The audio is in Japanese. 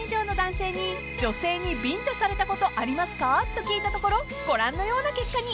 ［と聞いたところご覧のような結果に］